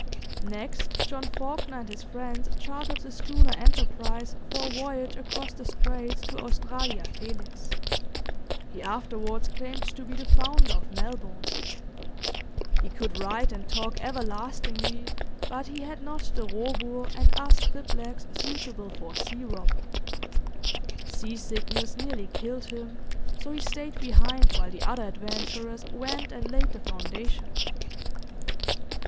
Next, John Fawkner and his friends chartered the schooner 'Enterprise' for a voyage across the Straits to Australia Felix. He afterwards claimed to be the founder of Melbourne. He could write and talk everlastingly, but he had not the 'robur' and 'as triplex' suitable for a sea robber. Sea sickness nearly killed him, so he stayed behind while the other adventurers went and laid the foundation.